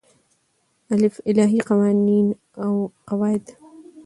الف : الهی قوانین او قواعد